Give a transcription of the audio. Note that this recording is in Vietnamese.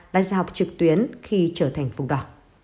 là dạy học trực tuyến khi trở thành vùng đỏ